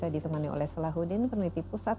ditemani oleh salahuddin peneliti pusat